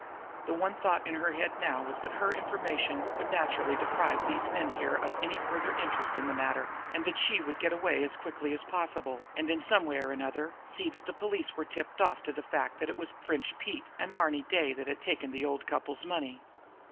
The one thought in her head now was that her information would naturally deprive these men here of any further interest in the matter, and that she would get away as quickly as possible, and, in some way or other, see that the police were tipped off to the fact that it was French Pete and Marny Day who had taken the old couple's money.